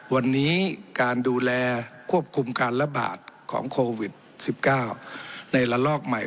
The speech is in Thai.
วันนี้การดูแลควบคุมการระบาดของโควิด๑๙ในระลอกใหม่